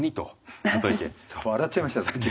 笑っちゃいましたさっき。